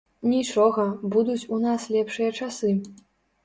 Нічога, будуць у нас лепшыя часы.